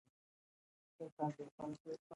پښتانه شاعران ډېر دي، خو: